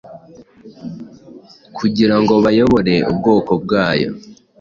kugira ngo bayobore ubwoko bwayo.